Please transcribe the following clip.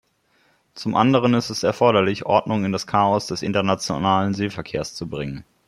Zum anderen ist es erforderlich, Ordnung in das Chaos des internationalen Seeverkehrs zu bringen.